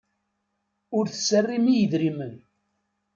Ur tserrim i yedrimen.